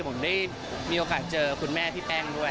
ผมได้มีโอกาสเจอคุณแม่พี่แป้งด้วย